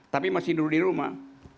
tapi masih dulu di rumah